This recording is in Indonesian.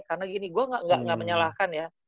karena gini gua gak menyalahkan ya